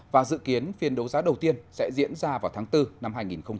và dự kiến phiên đấu giá đầu tiên sẽ diễn ra vào tháng bốn năm hai nghìn hai mươi